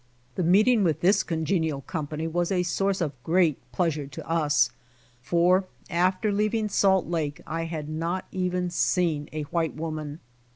The meeting with this congenial company was a source of great pleasure to us, for after leaving Salt Ijake I had not even seen a white woman.